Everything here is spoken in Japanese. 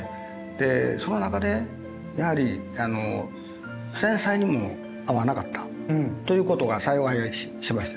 その中でやはり戦災にも遭わなかったということが幸いしまして。